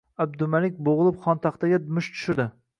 Abdumalik bo`g`ilib xontaxtaga musht tushirdi